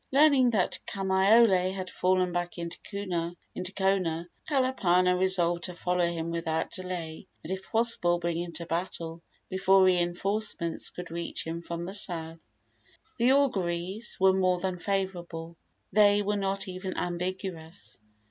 Learning that Kamaiole had fallen back into Kona, Kalapana resolved to follow him without delay, and, if possible, bring him to battle before reinforcements could reach him from the south. The auguries were more than favorable. They were not even ambiguous.